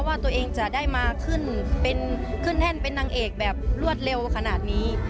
ว่าตัวเองจะได้มาขึ้นเป็นขึ้นแท่นเป็นนางเอกแบบรวดเร็วขนาดนี้